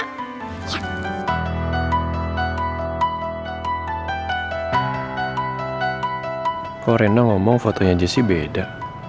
kok rena ngomong fotonya aja sih beda